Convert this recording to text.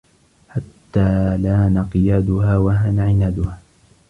حَتَّى لَانَ قِيَادُهَا ، وَهَانَ عِنَادُهَا